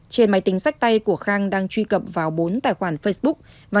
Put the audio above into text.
trên máy tính sách tay của khang đang truy cập vào bốn tài khoản facebook